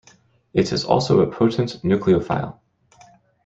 It is also a potent nucleophile.